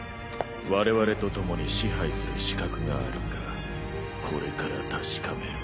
われわれとともに支配する資格があるかこれから確かめる。